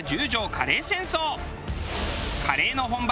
カレーの本場